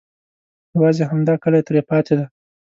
یوازې همدا کلی ترې پاتې دی.